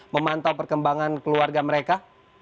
memantau perkembangan keluarga mereka